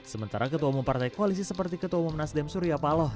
sementara ketua umum partai koalisi seperti ketua umum nasdem surya paloh